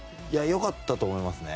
良かったと思います。